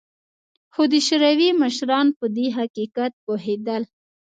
خو د شوروي مشران په دې حقیقت پوهېدل